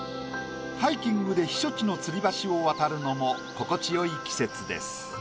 ハイキングで避暑地の吊り橋を渡るのも心地よい季節です。